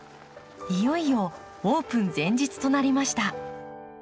いよいよオープン前日となりました。